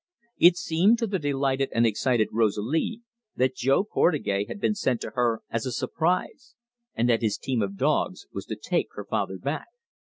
It seemed to the delighted and excited Rosalie that Jo Portugais had been sent to her as a surprise, and that his team of dogs was to take her father back.